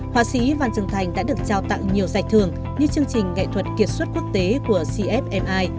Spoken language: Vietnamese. họa sĩ văn dương thành đã được trao tặng nhiều giải thưởng như chương trình nghệ thuật kiệt xuất quốc tế của cfmi